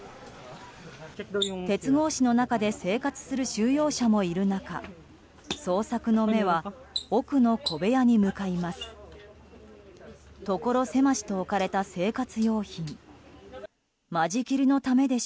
鉄格子の中で生活する収容者もいる中捜索の目は奥の小部屋に向かいます。